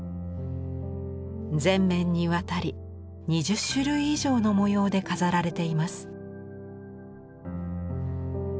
全面にわたり２０種類以上の模様で飾られています。